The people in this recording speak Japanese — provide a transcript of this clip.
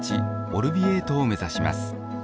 オルヴィエートを目指します。